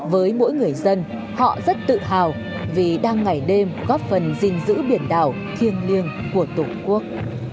với mỗi người dân họ rất tự hào vì đang ngày đêm góp phần dinh dữ biển đảo kiêng liêng của tổ quốc